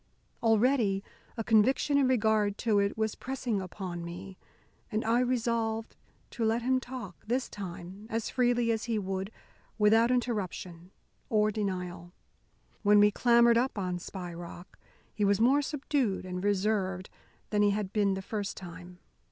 Already a conviction in regard to it was pressing upon me, and I resolved to let him talk, this time, as freely as he would, without interruption or denial. When we clambered up on Spy Rock, he was more subdued and reserved than he had been the first time.